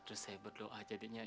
terus saya berdoa jadinya